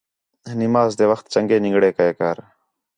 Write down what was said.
نماز تے وخت چَنڳے نِنگڑے کَئے کر